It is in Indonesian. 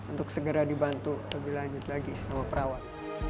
untuk segera dibantu lebih lanjut lagi sama perawat